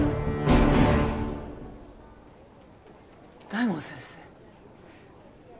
大門先生。